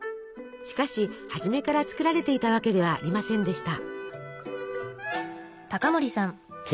しかし初めから作られていたわけではありませんでした。